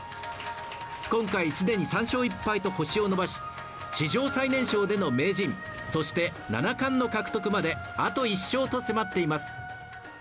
今回、既に３勝１敗と星を伸ばし史上最年少での名人そして、七冠の獲得まであと１勝と迫っています。